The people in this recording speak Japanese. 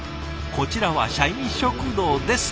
「こちらは社員食堂です。」